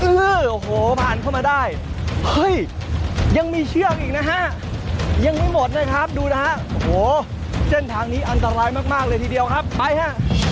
โอ้โหผ่านเข้ามาได้เฮ้ยยังมีเชือกอีกนะฮะยังไม่หมดนะครับดูนะฮะโอ้โหเส้นทางนี้อันตรายมากเลยทีเดียวครับไปฮะ